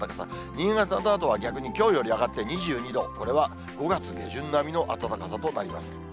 新潟などは逆にきょうより上がって２２度、これは５月下旬並みの暖かさとなります。